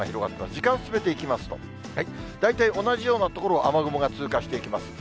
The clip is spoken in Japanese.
時間進めていきますと、大体同じような所を雨雲が通過していきます。